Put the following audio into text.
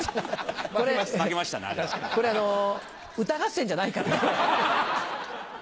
これあの歌合戦じゃないからね。